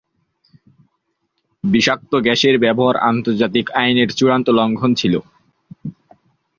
বিষাক্ত গ্যাসের ব্যবহার আন্তর্জাতিক আইনের চূড়ান্ত লঙ্ঘন ছিল।